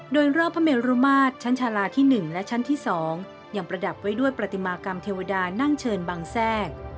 โดยรอบพระเมรุมาตรชั้นชาลาที่๑และชั้นที่๒ยังประดับไว้ด้วยปฏิมากรรมเทวดานั่งเชิญบังแทรก